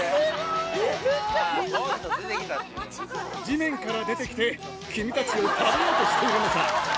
地面から出てきて君たちを食べようとしているのさ。